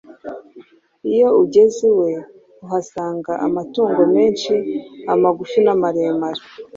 Iyo ugeze iwe uhasanga amatungo menshi, amagufi n’amaremare.